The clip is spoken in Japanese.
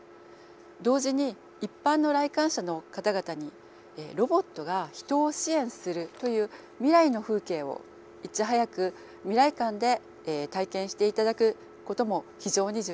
同時に一般の来館者の方々にロボットが人を支援するという「未来の風景」をいち早く未来館で体験していただくことも非常に重要です。